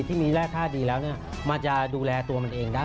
ที่มีแร่ท่าดีแล้วมันจะดูแลตัวมันเองได้